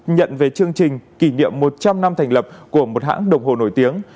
nhận về chương trình kỷ niệm một trăm linh năm thành lập của một hãng đồng hồ nổi tiếng